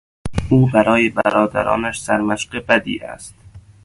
او برای برادرانش سرمشق بدی است.